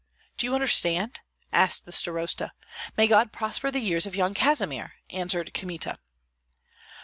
"Do you understand?" asked the starosta. "May God prosper the years of Yan Kazimir!" answered Kmita.